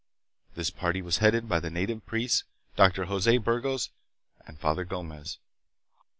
This party was headed by the native priests, Dr. Jose Burgos, and Father Gomez.